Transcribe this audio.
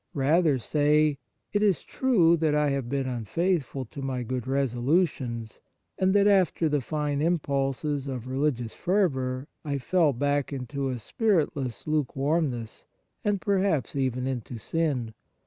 Rather say :" It is true that I have been unfaithful to my good resolutions, and that, after the fine impulses of religious fervour, I fell back into a spiritless lukewarm ness, and perhaps even into sin.